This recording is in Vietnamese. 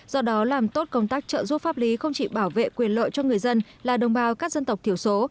do đó làm tốt công tác trợ giúp pháp lý không chỉ bảo vệ quyền lợi cho người dân là đồng bào các dân tộc thiểu số